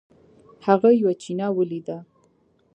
هغه یوه چینه ولیده.